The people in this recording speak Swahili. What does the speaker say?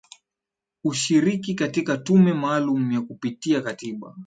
ushiriki katika tume maalum ya kupitia katiba